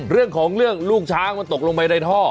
เรื่องของเรื่องลูกช้างมันตกลงไปในท่อ